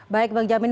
baik bang jamin